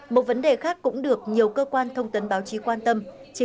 một vấn đề khác cũng được nhiều cơ quan thông tấn báo chí quan tâm